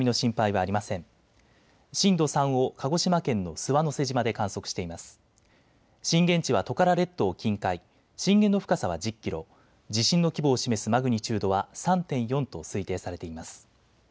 震源地はトカラ列島近海、震源の深さは１０キロ、地震の規模を示すマグニチュードは３．４と推定されています。